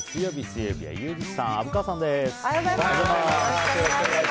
本日水曜日、水曜日はユージさん、虻川さんです。